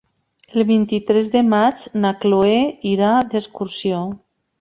El vint-i-tres de maig na Cloè irà d'excursió.